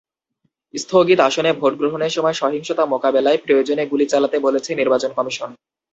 স্থগিত আসনে ভোট গ্রহণের সময় সহিংসতা মোকাবিলায় প্রয়োজনে গুলি চালাতে বলেছে নির্বাচন কমিশন।